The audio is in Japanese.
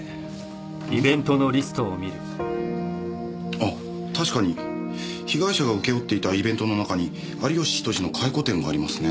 あっ確かに被害者が請け負っていたイベントの中に有吉比登治の回顧展がありますね。